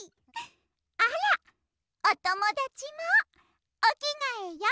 あらおともだちもおきがえよ。